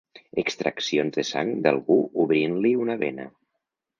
Extraccions de sang d'algú obrint-li una vena.